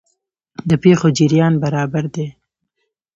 د پېښو جریان برابر دی.